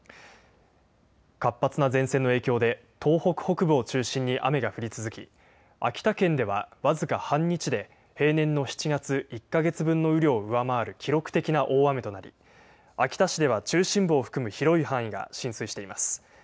活発な前線の影響で東北北部を中心に雨が降り続き秋田県では僅か半日で平年の７月１か月分の雨量を上回る記録的な大雨となり秋田市では中心部を含む広い範囲が浸水しています。